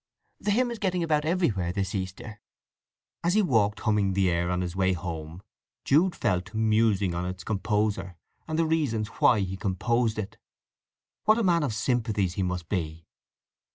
The hymn is getting about everywhere this Easter." As he walked humming the air on his way home, Jude fell to musing on its composer, and the reasons why he composed it. What a man of sympathies he must be!